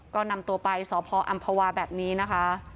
ก็นำตัวไปสพอำภาวาแบบนี้นะคะ